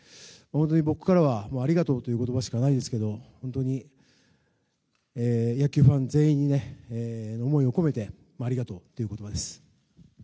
僕からはもうありがとうという言葉しかないんですけど本当に、野球ファン全員に思いを込めてありがとうという言葉です。